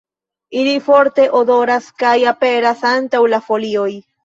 Ili forte odoras kaj aperas antaŭ la folioj.